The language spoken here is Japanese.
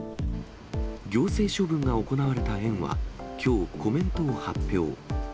行政処分が行われた園はきょう、コメントを発表。